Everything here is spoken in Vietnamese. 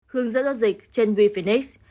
hướng dẫn do dịch trên wefenix